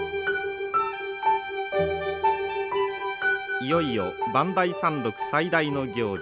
いよいよ磐梯山麓最大の行事